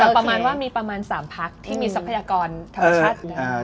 แต่ประมาณว่ามีประมาณ๓พักที่มีทรัพยากรธรรมชาติอยู่แล้ว